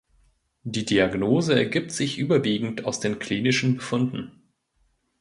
Die Diagnose ergibt sich überwiegend aus den klinischen Befunden.